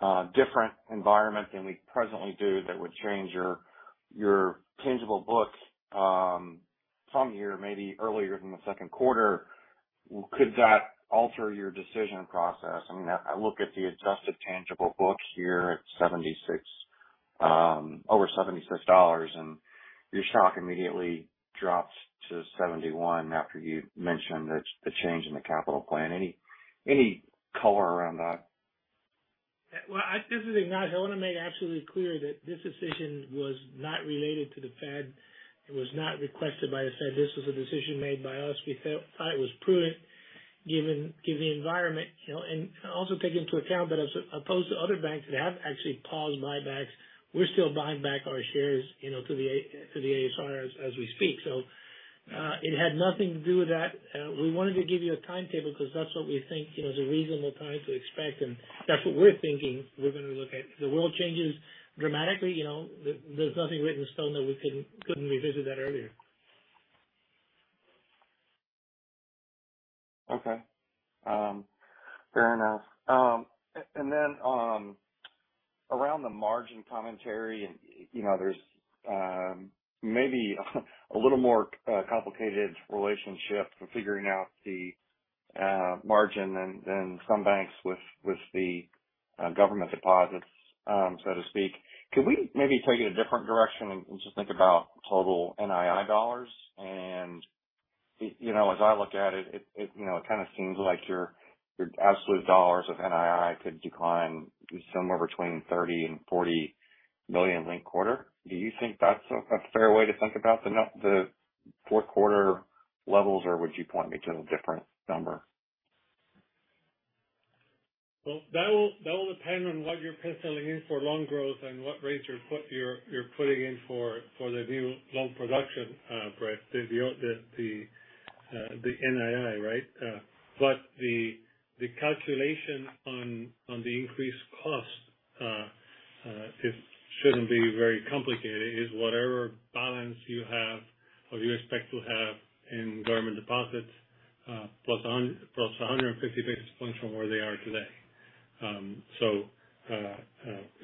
of different environment than we presently do that would change your tangible books some year, maybe earlier than the Q2. Could that alter your decision process? I mean, I look at the adjusted tangible books here at $76, over $76, and your stock immediately drops to $71 after you mentioned the change in the capital plan. Any color around that? Well, this is Ignacio. I wanna make absolutely clear that this decision was not related to the Fed. It was not requested by the Fed. This was a decision made by us. We thought it was prudent given the environment. You know, also take into account that as opposed to other banks that have actually paused buybacks, we're still buying back our shares you know, to the ASR as we speak. It had nothing to do with that. We wanted to give you a timetable because that's what we think, you know, is a reasonable time to expect, and that's what we're thinking we're gonna look at. If the world changes dramatically, you know, there's nothing written in stone that we couldn't revisit that earlier. Okay. Fair enough. Then, around the margin commentary and, you know, there's maybe a little more complicated relationship figuring out the margin than some banks with the government deposits, so to speak. Can we maybe take it a different direction and just think about total NII dollars? You know, as I look at it you know it kind of seems like your absolute dollars of NII could decline somewhere between $30 million-$40 million linked quarter. Do you think that's a fair way to think about the Q4 levels, or would you point me to a different number? Well, that will depend on what you're penciling in for loan growth and what rates you're putting in for the new loan production, Brett. The NII, right? The calculation on the increased cost, it shouldn't be very complicated. It's whatever balance you have or you expect to have in government deposits, +150 basis points from where they are today.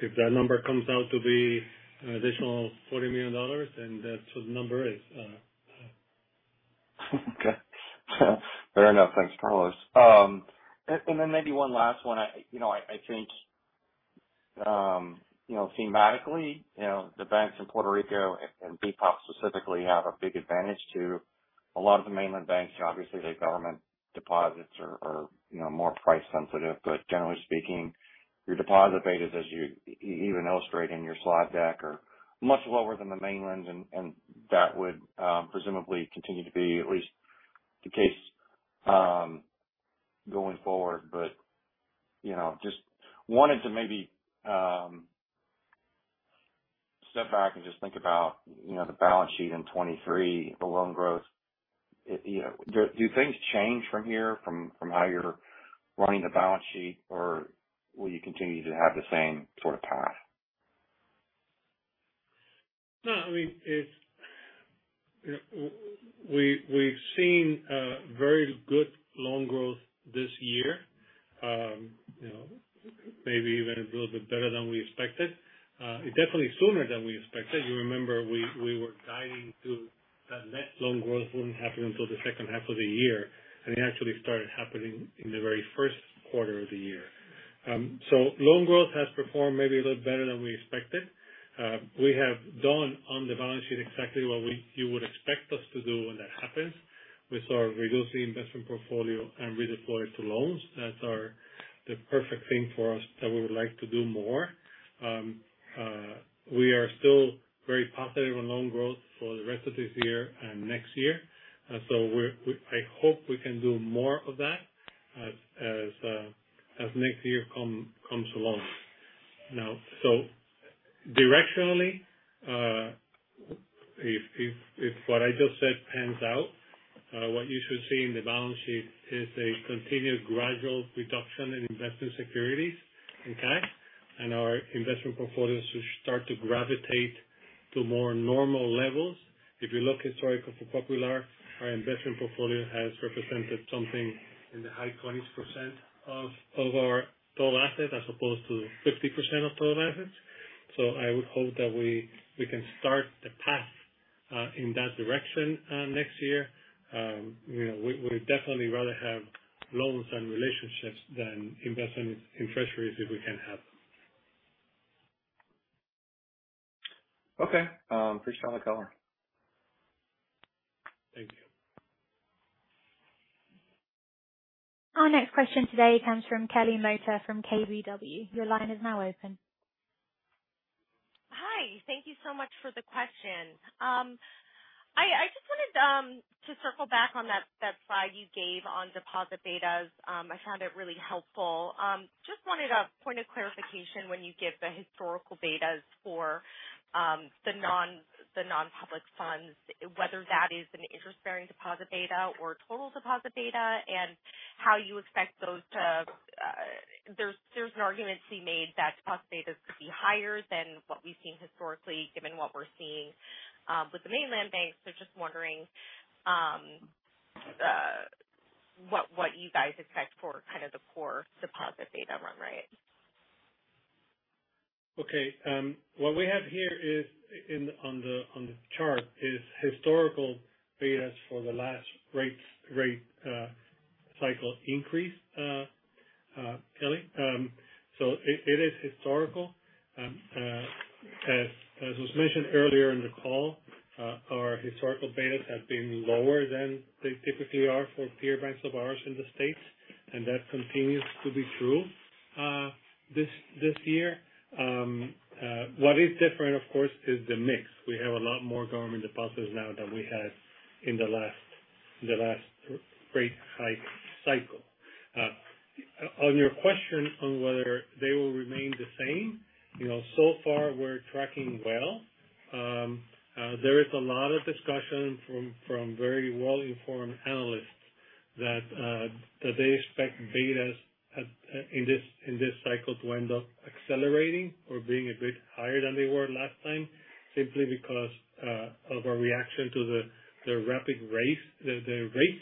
If that number comes out to be an additional $40 million, then that's what the number is. Okay. Fair enough. Thanks for the colors. Then maybe one last one. I think thematically the banks in Puerto Rico and BPOP specifically have a big advantage to a lot of the mainland banks. Obviously, their government deposits are more price sensitive. Generally speaking, your deposit betas, as you even illustrate in your slide deck, are much lower than the mainland's, and that would presumably continue to be at least the case going forward. You know, I just wanted to step back and just think about the balance sheet in 2023, the loan growth. You know, do things change from here from how you're running the balance sheet, or will you continue to have the same sort of path? No, I mean, it's, you know, we've seen very good loan growth this year. You know, maybe even a little bit better than we expected. Definitely sooner than we expected. You remember, we were guiding to that net loan growth wouldn't happen until the second half of the year, and it actually started happening in the very first quarter of the year. Loan growth has performed maybe a little better than we expected. We have done on the balance sheet exactly what you would expect us to do when that happens. We saw a reduced investment portfolio and redeployed to loans. That's the perfect thing for us that we would like to do more. We are still very positive on loan growth for the rest of this year and next year. I hope we can do more of that as next year comes along. Directionally, if what I just said pans out, what you should see in the balance sheet is a continued gradual reduction in investment securities and cash, and our investment portfolios should start to gravitate to more normal levels. If you look historically for Popular, our investment portfolio has represented something in the high 20s% of our total assets as opposed to 50% of total assets. I would hope that we can start the path in that direction next year. You know, we definitely rather have loans and relationships than investments in treasuries if we can have them. Okay. Appreciate the color. Thank you. Our next question today comes from Kelly Motta from KBW. Your line is now open. Hi. Thank you so much for the question. I just wanted to circle back on that slide you gave on deposit betas. I found it really helpful, just wanted a point of clarification when you give the historical betas for the non-public funds. Whether that is an interest-bearing deposit beta or total deposit beta and how you expect those to. There's an argument to be made that deposit betas could be higher than what we've seen historically, given what we're seeing with the mainland banks. Just wondering what you guys expect for kind of the core deposit beta run rate. Okay. What we have here on the chart is historical betas for the last rate cycle increase, Kelly. It is historical. As was mentioned earlier in the call, our historical betas have been lower than they typically are for peer banks of ours in the States, and that continues to be true, this year. What is different of course is the mix. We have a lot more government deposits now than we had in the last rate hike cycle. On your question on whether they will remain the same, you know, so far we're tracking well. There is a lot of discussion from very well-informed analysts that they expect betas in this cycle to end up accelerating or being a bit higher than they were last time, simply because of a reaction to the rapid rates. The rate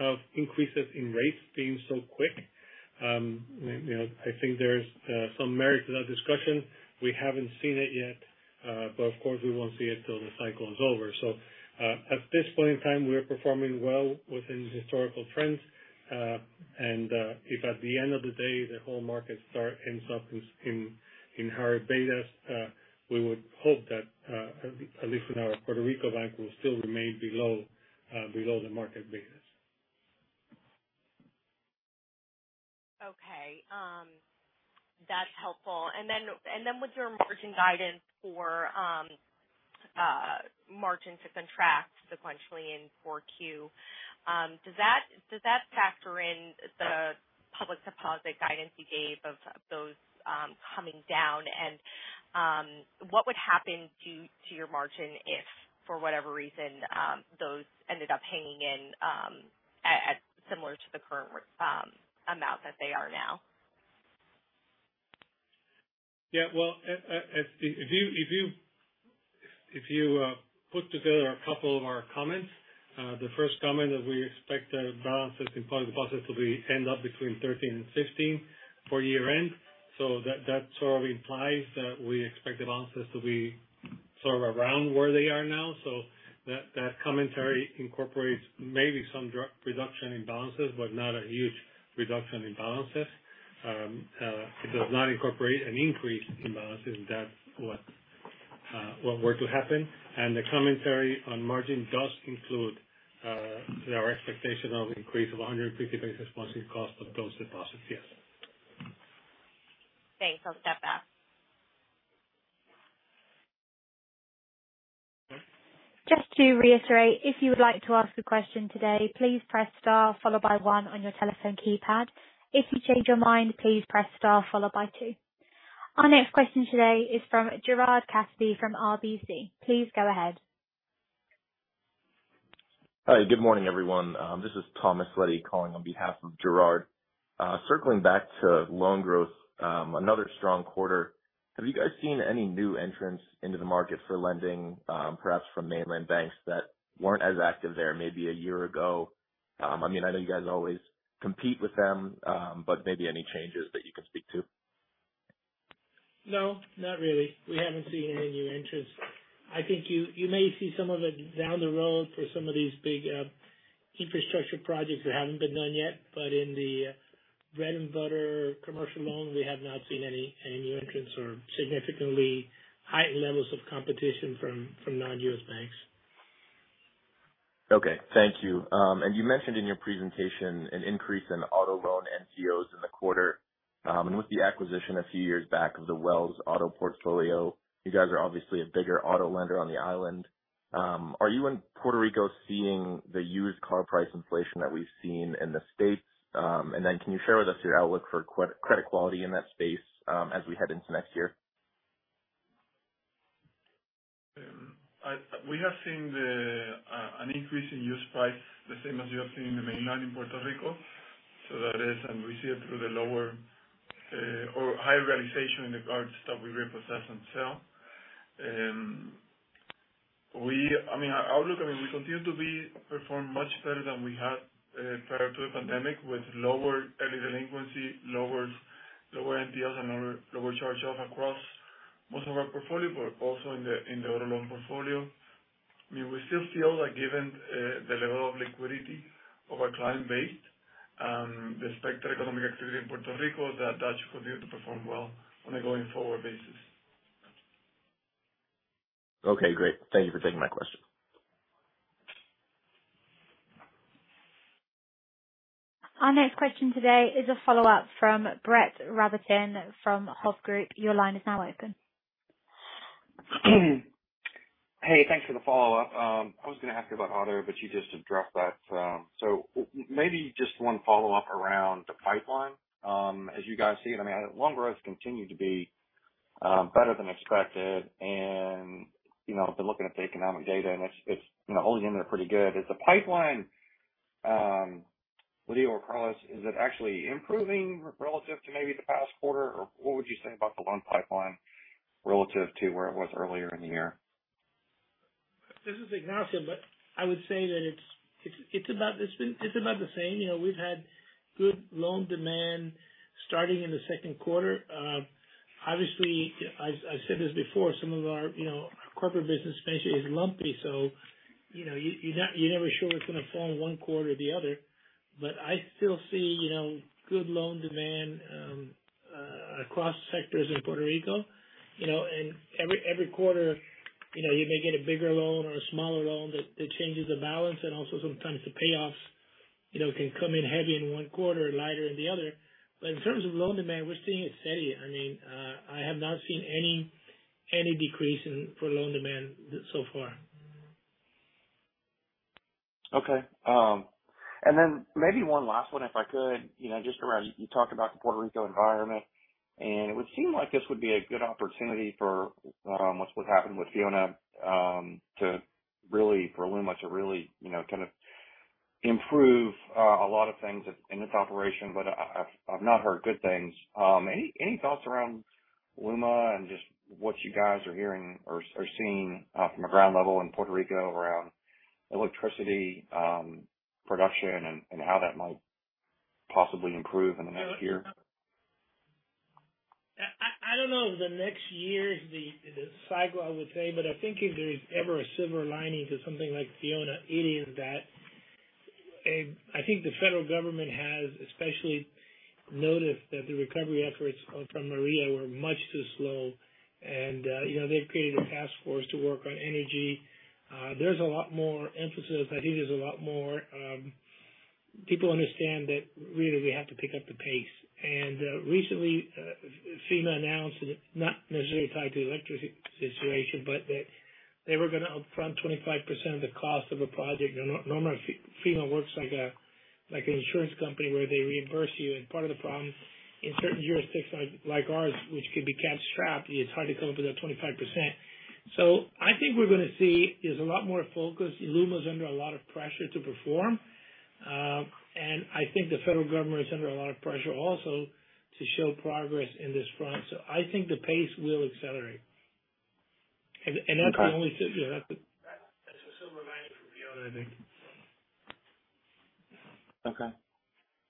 of increases in rates being so quick. You know, I think there's some merit to that discussion. We haven't seen it yet, but of course we won't see it till the cycle is over. At this point in time, we are performing well within historical trends. If at the end of the day the whole market ends up with higher betas, we would hope that at least in our Puerto Rico bank, we'll still remain below the market betas. Okay. That's helpful. With your margin guidance for margin to contract sequentially in 4Q, does that factor in the public deposit guidance you gave of those coming down? What would happen to your margin if for whatever reason those ended up hanging in at similar to the current amount that they are now? Yeah. Well, if you put together a couple of our comments, the first comment that we expect the balances in public deposits will end up between 13 and 15 for year end. That sort of implies that we expect the balances to be sort of around where they are now. That commentary incorporates maybe some drop reduction in balances, but not a huge reduction in balances. It does not incorporate an increase in balances if that were to happen. The commentary on margin does include our expectation of increase of 150 basis points in cost of those deposits. Yes. Thanks. I'll stop there. Just to reiterate, if you would like to ask a question today, please press star followed by one on your telephone keypad. If you change your mind, please press star followed by two. Our next question today is from Gerard Cassidy from RBC. Please go ahead. Hi, good morning, everyone. This is Thomas Leddy calling on behalf of Gerard. Circling back to loan growth, another strong quarter. Have you guys seen any new entrants into the market for lending, perhaps from mainland banks that weren't as active there maybe a year ago? I mean, I know you guys always compete with them, but maybe any changes that you can speak to? No, not really. We haven't seen any new entrants. I think you may see some of it down the road for some of these big infrastructure projects that haven't been done yet. In the bread and butter commercial loans, we have not seen any new entrants or significantly heightened levels of competition from non-U.S. banks. Okay. Thank you. You mentioned in your presentation an increase in auto loan NCOs in the quarter. With the acquisition a few years back of the Wells Fargo auto portfolio, you guys are obviously a bigger auto lender on the island. Are you in Puerto Rico seeing the used car price inflation that we've seen in the States? Can you share with us your outlook for credit quality in that space, as we head into next year? We have seen an increase in used price the same as you have seen in the mainland in Puerto Rico. We see it through the higher realization in the cars that we repossess and sell. I mean, our outlook, I mean we continue to perform much better than we had prior to the pandemic, with lower early delinquency, lower NPLs and lower charge-off across most of our portfolio, but also in the auto loan portfolio. I mean, we still feel that given the level of liquidity of our client base and the expected economic activity in Puerto Rico, that should continue to perform well on a going forward basis. Okay, great. Thank you for taking my question. Our next question today is a follow-up from Brett Rabatin from Hovde Group. Your line is now open. Hey, thanks for the follow-up. I was gonna ask you about auto, but you just addressed that. Maybe just one follow-up around the pipeline. As you guys see it, I mean, loan growth continued to be better than expected. You know, I've been looking at the economic data and it's you know, holding in there pretty good. Is the pipeline, Lidio or Carlos, actually improving relative to maybe the past quarter or what would you say about the loan pipeline relative to where it was earlier in the year? This is Ignacio. I would say that it's about the same. You know, we've had good loan demand starting in the Q2. Obviously, I've said this before, some of our, you know, corporate business especially is lumpy, so you know, you're never sure it's gonna fall in one quarter or the other. I still see, you know, good loan demand across sectors in Puerto Rico, you know. Every quarter, you know, you may get a bigger loan or a smaller loan that changes the balance and also sometimes the payoffs, you know, can come in heavy in one quarter and lighter in the other. In terms of loan demand, we're seeing it steady. I mean, I have not seen any decrease for loan demand so far. Okay. Then maybe one last one if I could, you know, just around you talked about the Puerto Rico environment, and it would seem like this would be a good opportunity for what happened with Fiona to really for LUMA to really, you know, kind of improve a lot of things in its operation, but I've not heard good things. Any thoughts around LUMA and just what you guys are hearing or seeing from a ground level in Puerto Rico around electricity production and how that might possibly improve in the next year? I don't know if the next year is the cycle I would say, but I think if there's ever a silver lining to something like Fiona, it is that. I think the federal government has especially noticed that the recovery efforts from Maria were much too slow. You know, they've created a task force to work on energy. There's a lot more emphasis. I think there's a lot more people understand that really we have to pick up the pace. Recently, FEMA announced, and it's not necessarily tied to the electricity situation, but that they were gonna upfront 25% of the cost of a project. Normally, FEMA works like an insurance company where they reimburse you. Part of the problem in certain jurisdictions like ours, which could be cash strapped, it's hard to come up with that 25%. I think we're gonna see there's a lot more focus. LUMA's under a lot of pressure to perform. I think the federal government is under a lot of pressure also to show progress in this front. I think the pace will accelerate. That's the only. Okay. That's the silver lining- Okay.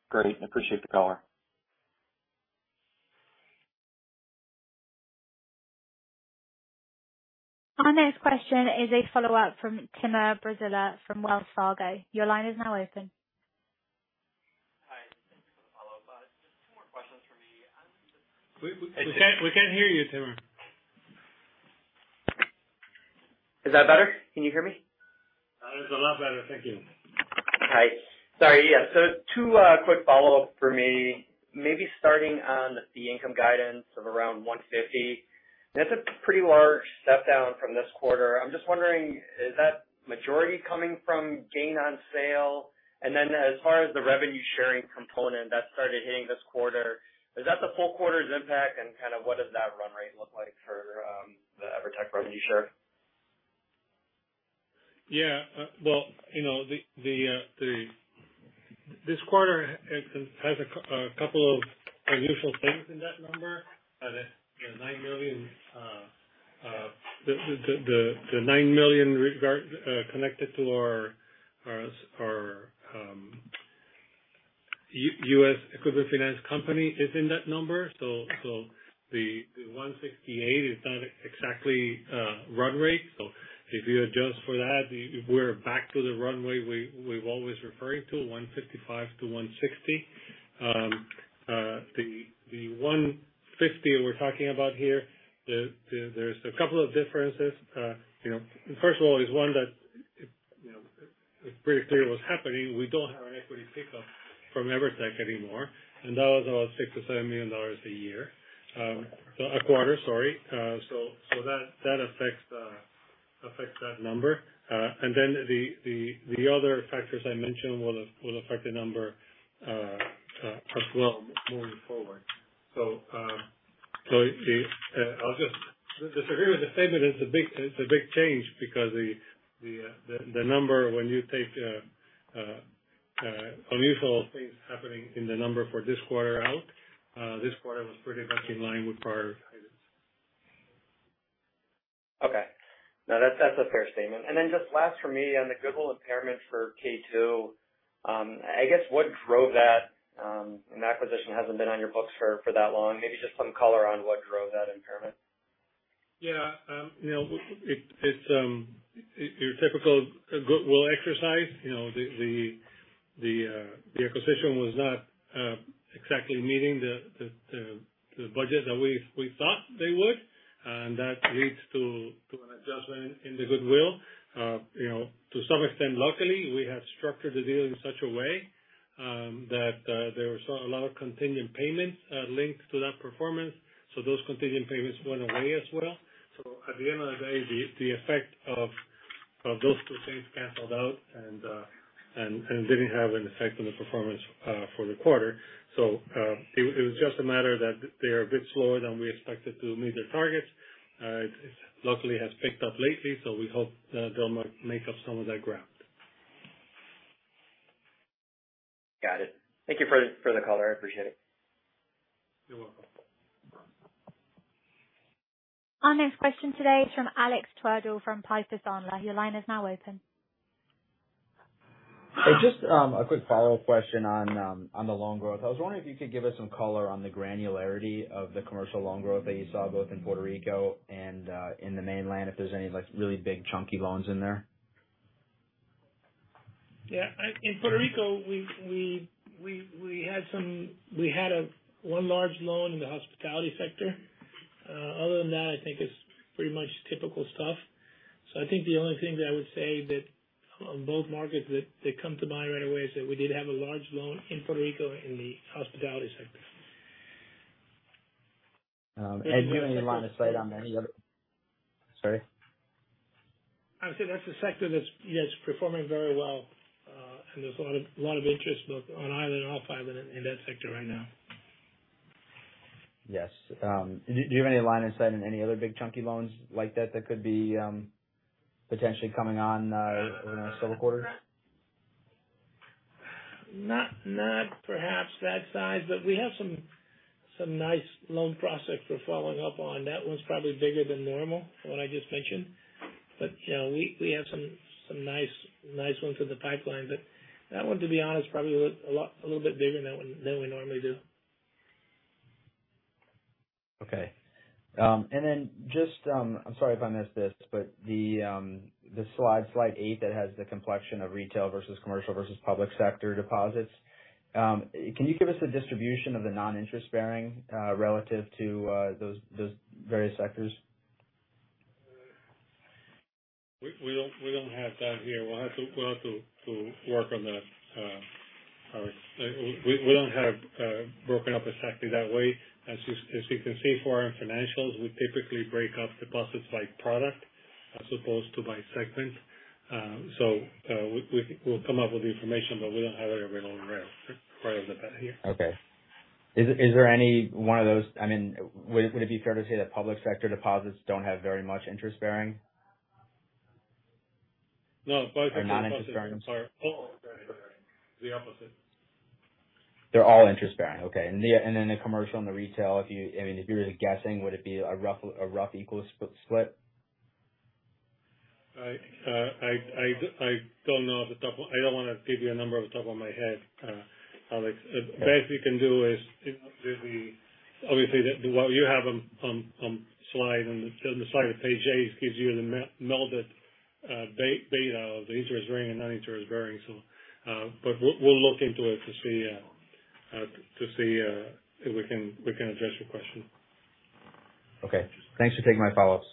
Great. Appreciate the color. Our next question is a follow-up from Timur Braziler from Wells Fargo. Your line is now open. Hi, thank you for the follow-up. Just two more questions for me. We can't hear you, Timur. Is that better? Can you hear me? That is a lot better. Thank you. Hi. Sorry. Yeah. Two quick follow-up for me. Maybe starting on the income guidance of around $150. That's a pretty large step down from this quarter. I'm just wondering, is that majority coming from gain on sale? As far as the revenue sharing component that started hitting this quarter, is that the full quarter's impact? Kind of what does that run rate look like for the Evertec revenue share? Yeah. Well, you know, this quarter has a couple of unusual things in that number. The $9 million connected to our U.S. Equipment Finance company is in that number. The 168 is not exactly run rate. If you adjust for that, we're back to the run rate we've always referred to, $155 million-$160 million. The 150 we're talking about here, there's a couple of differences. You know, first of all is one that, you know, it's pretty clear what's happening. We don't have an equity pickup from Evertec anymore, and that was about $6 million-$7 million a quarter. That affects that number. The other factors I mentioned will affect the number as well moving forward. Here is the statement. It's a big change because the number when you take unusual things happening in the number for this quarter out, this quarter was pretty much in line with prior guidance. Okay. No, that's a fair statement. Then just last for me on the goodwill impairment for Q2, I guess what drove that, and that acquisition hasn't been on your books for that long. Maybe just some color on what drove that impairment. Yeah, you know, it's your typical goodwill exercise. You know, the acquisition was not exactly meeting the budget that we thought they would. That leads to an adjustment in the goodwill. You know, to some extent, luckily, we have structured the deal in such a way that there was a lot of contingent payments linked to that performance, so those contingent payments went away as well. At the end of the day, the effect of those two things canceled out and didn't have an effect on the performance for the quarter. It was just a matter that they are a bit slower than we expected to meet their targets. It locally has picked up lately, so we hope they'll make up some of that ground. Got it. Thank you for the color. I appreciate it. You're welcome. Our next question today is from Alex Twerdahl from Piper Sandler. Your line is now open. Just a quick follow-up question on the loan growth. I was wondering if you could give us some color on the granularity of the commercial loan growth that you saw both in Puerto Rico and in the mainland, if there's any like really big chunky loans in there. In Puerto Rico, we had one large loan in the hospitality sector. Other than that, I think it's pretty much typical stuff. I think the only thing that I would say that on both markets that come to mind right away is that we did have a large loan in Puerto Rico in the hospitality sector. Do you have any line of sight on any other? Sorry. I would say that's a sector that's, yes, performing very well. There's a lot of interest both on island and off island in that sector right now. Yes. Do you have any line of sight in any other big chunky loans like that that could be potentially coming on in a several quarters? Not perhaps that size, but we have some nice loan prospects we're following up on. That one's probably bigger than normal from what I just mentioned. You know, we have some nice ones in the pipeline. That one, to be honest, probably a little bit bigger than we normally do. Okay. I'm sorry if I missed this, but the slide eight that has the complexion of retail versus commercial versus public sector deposits, can you give us the distribution of the non-interest bearing relative to those various sectors? We don't have that here. We'll have to work on that. Alex, we don't have it broken up exactly that way. As you can see for our financials, we typically break up deposits by product as opposed to by segment. We'll come up with the information, but we don't have it right off the bat here. Okay. I mean, would it be fair to say that public sector deposits don't have very much interest-bearing? No. Public sector. Non-interest-bearing, I'm sorry. Oh. The opposite. They're all interest bearing. Okay. Then the commercial and the retail, if you, I mean, if you're just guessing, would it be a rough equal split? I don't know off the top of my head, Alex. Best we can do is obviously what you have on the slide, page eight gives you the blended data of the interest-bearing and non-interest-bearing. But we'll look into it to see if we can address your question. Okay. Thanks for taking my follow-ups.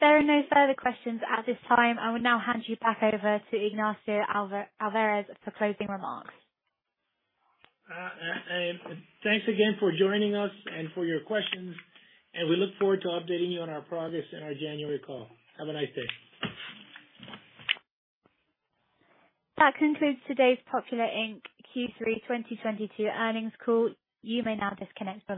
There are no further questions at this time. I will now hand you back over to Ignacio Alvarez for closing remarks. Thanks again for joining us and for your questions, and we look forward to updating you on our progress in our January call. Have a nice day. That concludes today's Popular, Inc. Q3 2022 earnings call. You may now disconnect.